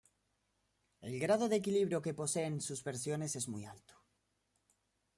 El grado de equilibrio que poseen sus versiones es muy alto.